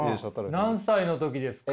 何歳の時ですか？